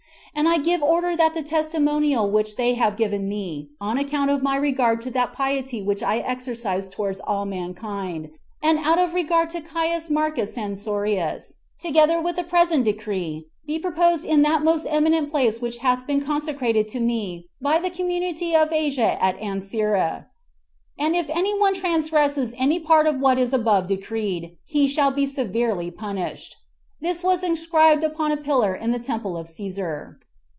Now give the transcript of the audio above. And I give order that the testimonial which they have given me, on account of my regard to that piety which I exercise toward all mankind, and out of regard to Caius Marcus Censorinus, together with the present decree, be proposed in that most eminent place which hath been consecrated to me by the community of Asia at Ancyra. And if any one transgress any part of what is above decreed, he shall be severely punished." This was inscribed upon a pillar in the temple of Cæsar.